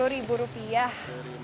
sepuluh ribu rupiah